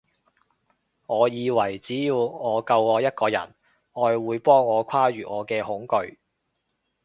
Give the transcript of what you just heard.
我以為只要我夠愛一個人，愛會幫我跨越我嘅恐懼